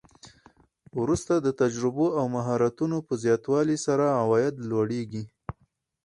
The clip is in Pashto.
وروسته د تجربو او مهارتونو په زیاتوالي سره عواید لوړیږي